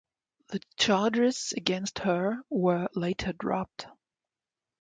The charges against her were later dropped.